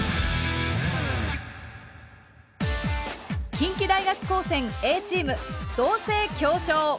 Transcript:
近畿大学高専Ａチーム「動成強勝」。